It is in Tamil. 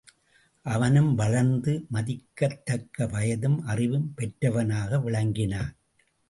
அவனும் வளர்ந்து மதிக்கத்தக்க வயதும் அறிவும் பெற்றவனாக விளங்கினான்.